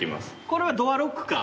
これはドアロックか。